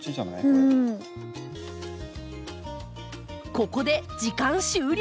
ここで時間終了。